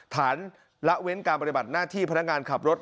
ละเว้นการปฏิบัติหน้าที่พนักงานขับรถ